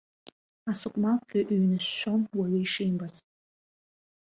Асыкәмал-фҩы ҩнышәшәон уаҩы ишимбац.